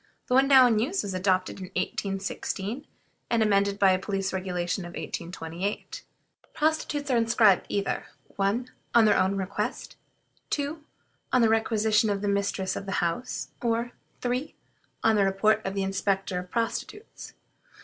The one now in use was adopted in 1816, and amended by a police regulation of 1828. Prostitutes are inscribed either 1. On their own request; 2. On the requisition of the mistress of a house; or, 3. On the report of the inspector of prostitutes.